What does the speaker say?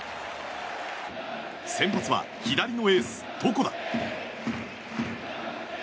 先発は左のエース、床田。